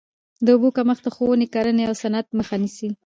د اوبو کمښت د ښووني، کرهڼې او صنعت مخه نیسي.